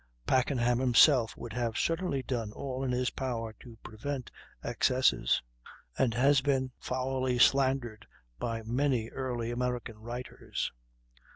Packenham himself would have certainly done all in his power to prevent excesses, and has been foully slandered by many early American writers.